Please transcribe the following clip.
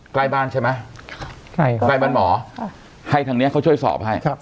ใกล้บ้านใช่ไหมใกล้ครับใกล้บ้านหมอให้ทางเนี้ยเขาช่วยสอบให้ครับ